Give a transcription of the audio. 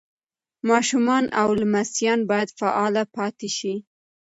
ماشومان او لمسیان باید فعاله پاتې شي.